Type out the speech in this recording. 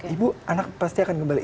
ibu anak pasti akan kembali